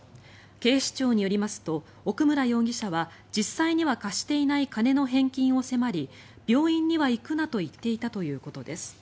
警視庁によりますと奥村容疑者は実際には貸していない金の返金を迫り病院には行くなと言っていたということです。